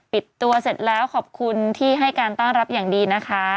ปิดตัวเสร็จแล้วขอบคุณที่ให้การต้อนรับอย่างดีนะคะ